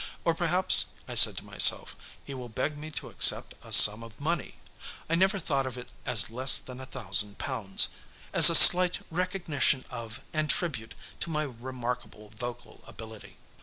Or perhaps, I said to myself, he will beg me to accept a sum of money I never thought of it as less than a thousand pounds as a slight recognition of and tribute to my remarkable vocal ability.